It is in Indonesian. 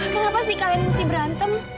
kenapa sih kalian mesti berantem